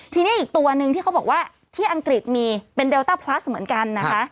ทีนี้อีกตัวหนึ่งที่เขาบอกว่าที่อังกฤษมีเป็นเดลต้าพลัสเหมือนกันนะคะ